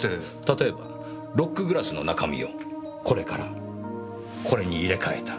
例えばロックグラスの中身をこれからこれに入れ替えた。